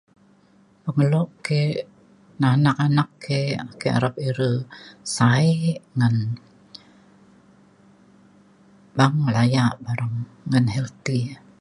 Pengelo ke ngan anak anak ke ake arap ire sa’e ngan beng laya bareng ngan healthy